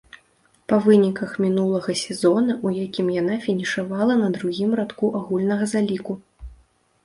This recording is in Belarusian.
Па выніках мінулага сезона, у якім яна фінішавала на другім радку агульнага заліку.